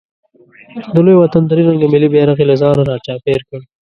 د لوی وطن درې رنګه ملي بیرغ یې له ځانه راچاپېر کړ.